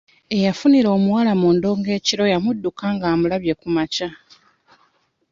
Eyafunira omuwala mu ndongo ekiro yamudduka ng'amulabye ku makya.